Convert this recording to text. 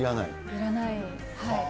いらない。